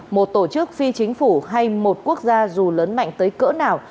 một tổ chức phi chính phủ hay một quốc gia dù lớn mạnh tới cỡ nào